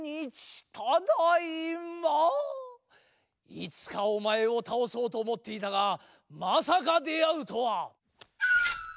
いつかおまえをたおそうとおもっていたがまさか出会うとは！